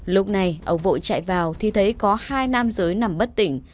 lúc này ông vội chạy vào thì thấy có hai nam giới nằm bất tỉnh